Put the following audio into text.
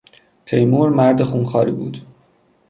تیمور مرد خونخواری بود.